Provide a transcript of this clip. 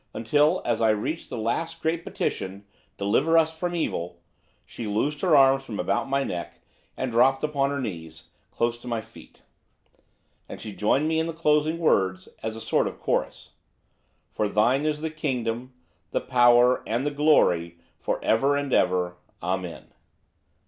Until, as I reached the last great petition, 'Deliver us from evil,' she loosed her arms from about my neck, and dropped upon her knees, close to my feet. And she joined me in the closing words, as a sort of chorus. 'For Thine is the Kingdom, the Power, and the Glory, for ever and ever. Amen.